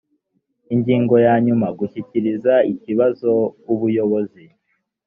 ingingo ya nyuma gushyikiriza ikibazo ubuyobozi